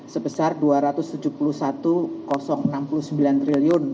sebesar rp dua ratus tujuh puluh satu enam puluh sembilan triliun